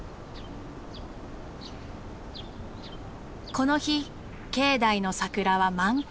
この日境内の桜は満開。